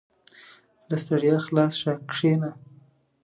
• له ستړیا خلاص شه، کښېنه.